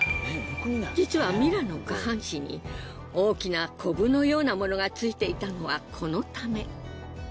実はミラの下半身に大きなコブのようなものがついていたのはこのため。